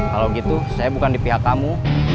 kalau gitu saya bukan di pihak kamu